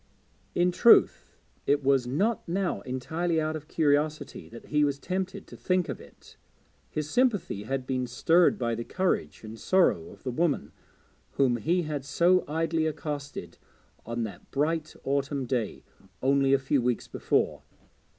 In truth it was not now entirely out of curiosity that he was tempted to think of it; his sympathy had been stirred by the courage and sorrow of the woman whom he had so idly accosted on that bright autumn day only a few weeks before.